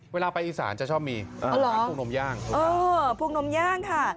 เวลาไปอีสานจะชอบมีอ๋อเหรอพวงนมย่างเออพวงนมย่างค่ะ